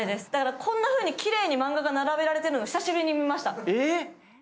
こんなふうにきれいにマンガが並べられているのを久しぶりに見ました。